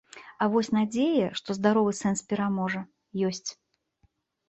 А вось надзея, што здаровы сэнс пераможа, ёсць.